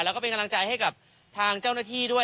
แล้วก็เป็นกำลังใจให้กับทางเจ้าหน้าที่ด้วย